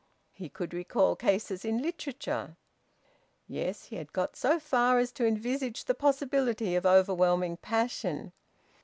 He could recall cases in literature... Yes, he had got so far as to envisage the possibility of overwhelming passion...